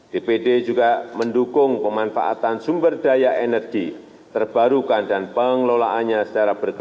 dpd juga mendukung pemanfaatan sumber daya energi terbarukan dan pengelolaannya secara berkelanju